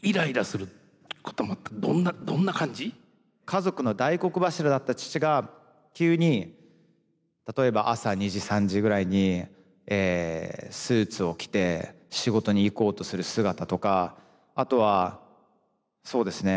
家族の大黒柱だった父が急に例えば朝２時３時ぐらいにスーツを着て仕事に行こうとする姿とかあとはそうですね。